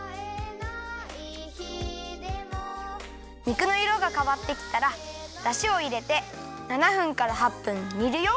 肉のいろがかわってきたらだしをいれて７分から８分にるよ。